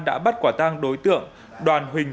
đã bắt quả tăng đối tượng đoàn huỳnh